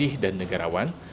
bersih dan negarawan